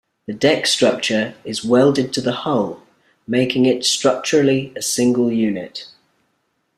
The deck structure is welded to the hull, making it structurally a single unit.